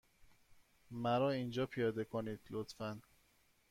مرا اینجا پیاده کنید، لطفا.